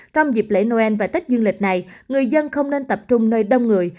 trong dịp lễ noel và tết dương lịch này người dân không nên tập trung nơi đông người